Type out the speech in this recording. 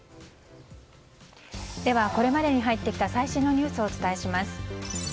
ではこれまでに入ってきた最新のニュースをお伝えします。